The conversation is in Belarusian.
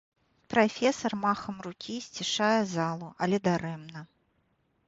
Прафесар махам рукі сцішае залу, але дарэмна.